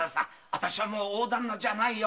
私はもう大旦那じゃないよ。